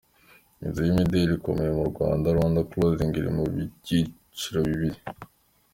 Inzu y’imideli ikomeye mu Rwanda, Rwanda Clothing iri mu byiciro bibiri.